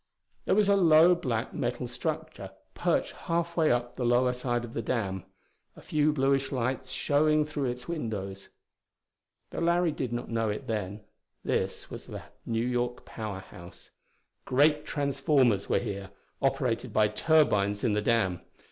There was a low black metal structure perched halfway up the lower side of the dam, a few bluish lights showing through its windows. Though Larry did not know it then, this was the New York Power House. Great transformers were here, operated by turbines in the dam.